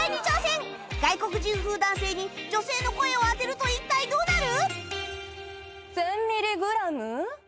外国人風男性に女性の声を当てると一体どうなる！？